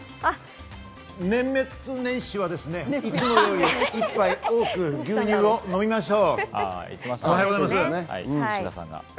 年末年始はいつもより１杯多く牛乳を飲みましょう！